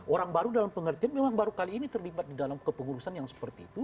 orang baru dalam pengertian memang baru kali ini terlibat di dalam kepengurusan yang seperti itu